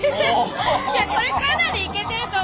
いやこれかなりイケてると思わない？